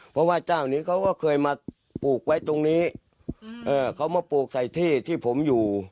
เพราะว่าเจ้านี้เขาก็เคยมาปลูกไว้ตรงนี้เขามาปลูกใส่ที่ที่ผมอยู่